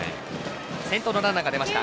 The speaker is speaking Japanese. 先頭のランナーが出ました。